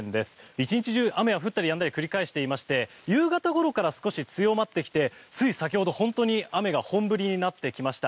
１日中、雨が降ったりやんだりを繰り返していまして夕方ごろから少し強まってきてつい先ほど雨が本降りになってきました。